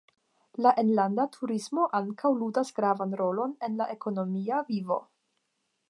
La enlanda turismo ankaŭ ludas gravan rolon en la ekonomia vivo.